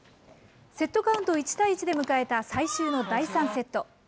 セットカウント１対１で迎えた最終の第３セット。